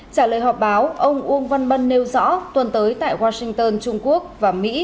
trả lời họp báo ông uông văn bân nêu rõ tuần tới tại washington trung quốc và mỹ